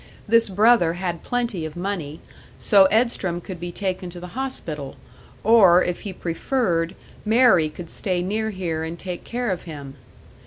This brother had plenty of money, so Edstrom could be taken to the hospital; or, if he preferred, Mary could stay near here and take care of him.